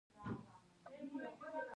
ایا ستاسو کرونده زرغونه نه ده؟